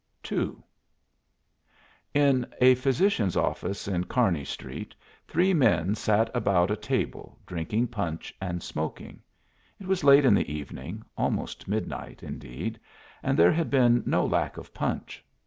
II In a physician's office in Kearny Street three men sat about a table, drinking punch and smoking. It was late in the evening, almost midnight, indeed, and there had been no lack of punch.